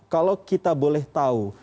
kalau kita boleh tahu